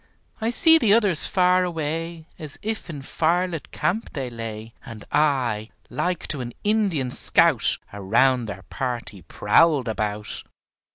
I see the others far away As if in firelit camp they lay, And I, like to an Indian scout, Around their party prowled about.